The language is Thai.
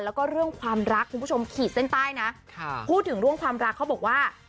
แล้วก็เรื่องความรักคุณผู้ชมขีดเส้นใต้นะพูดถึงเรื่องความรักเขาบอกว่า